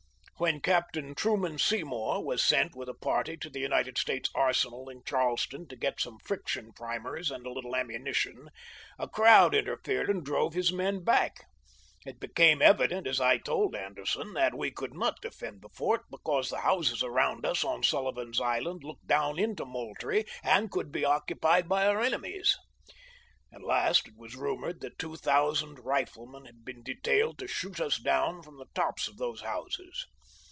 When Captain Truman Seymour was sent with a party to the United States arsenal in Charleston to get some friction primers and a little ammunition, a crowd interfered and drove his men back. It became evident, as I told Anderson, that we could not defend the fort, because the houses around us on Sullivan's Island looked down into Moultrie, and could be occupied by our enemies. At last it was rumored that two thousand riflemen had been detailed to shoot us down from the tops of those houses.